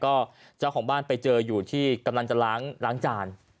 ก็เจ้าของบ้านไปเจออยู่ที่กำลังจะล้างจาน